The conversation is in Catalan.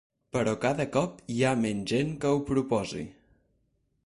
Però cada cop hi ha menys gent que ho proposi.